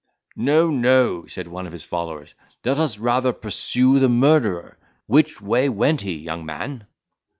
"No, no," said one of his followers, "let us rather pursue the murderer. Which way went he, young man?"